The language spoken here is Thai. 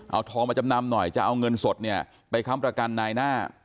เอาทองมาจำนำหน่อยจะเอาเงินสดเนี่ยไปค้ำประกันนายหน้า